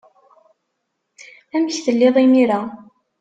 Amek telliḍ imir-a?